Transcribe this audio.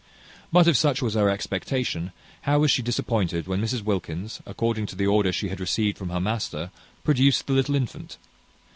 But if such was her expectation, how was she disappointed when Mrs Wilkins, according to the order she had received from her master, produced the little infant?